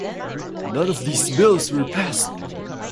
None of these bills were passed.